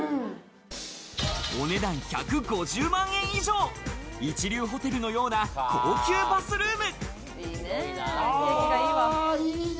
お値段１５０万円以上、一流ホテルのような高級バスルーム。